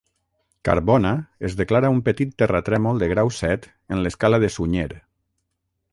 Carbona es declara un petit terratrèmol de grau set en l'escala de Sunyer.